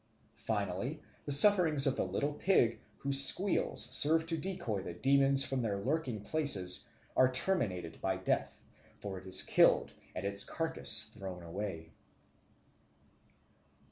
Finally, the sufferings of the little pig, whose squeals served to decoy the demons from their lurking places, are terminated by death, for it is killed and its carcase thrown away.